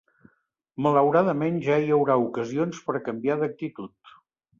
Malauradament ja hi haurà ocasions per a canviar d’actitud.